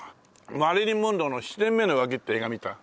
マリリン・モンローの『七年目の浮気』って映画見た？